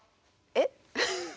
えっ？